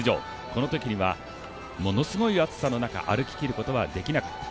このときにはものすごい暑さの中歩ききることはできなかった。